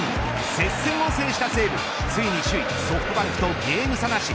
接戦を制した西武ついに首位ソフトバンクとゲーム差なし。